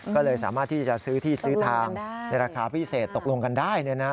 ก็เลยสามารถที่จะซื้อที่ซื้อทางในราคาพิเศษตกลงกันได้